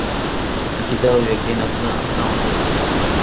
عقیدہ اور یقین اپنا اپنا ہوتا ہے۔